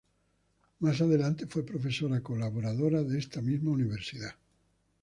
Más adelante, fue profesora colaboradora de esta misma universidad.